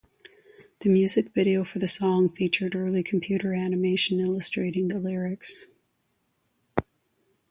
The music video for the song featured early computer animation illustrating the lyrics.